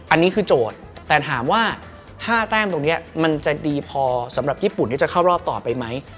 อันนี้คือโจทย์แต่ถามว่า๕แต้มตรงนี้มันจะดีพอสำหรับญี่ปุ่นที่จะเข้ารอบต่อไปไหม